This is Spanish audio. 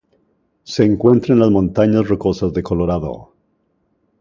Se encuentra en las Montañas Rocosas de Colorado.